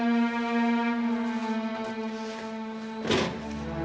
nanti kita berdua bisa berdua